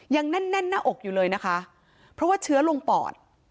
ยังแน่นแน่นหน้าอกอยู่เลยนะคะเพราะว่าเชื้อลงปอด